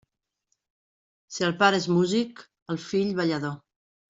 Si el pare és músic, el fill ballador.